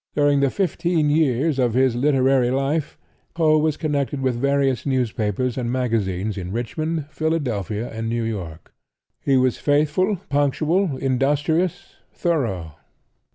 During the fifteen years of his literary life Poe was connected with various newspapers and magazines in Richmond, Philadelphia and New York. He was faithful, punctual, industrious, thorough.